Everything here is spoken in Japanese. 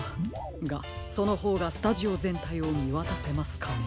がそのほうがスタジオぜんたいをみわたせますかね。